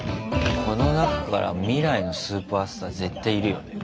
この中から未来のスーパースター絶対いるよね。